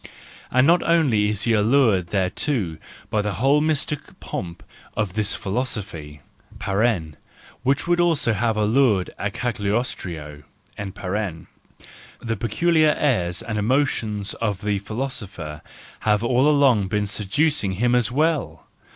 And not only is he allured thereto by the whole mystic pomp of this philosophy (which would also have allured a Cagliostro), the peculiar airs and emotions of the philosopher have all along been seducing him as well!